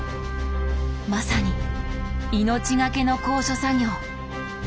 まさに命がけの高所作業。